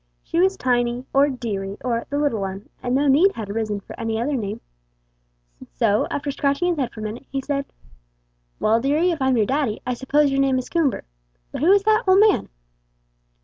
She was "Tiny," or "deary," or "the little 'un," and no need had arisen for any other name; and so, after scratching his head for a minute, he said: "Well, deary, if I'm your daddy, I s'pose your name is Coomber. But who is the old man?"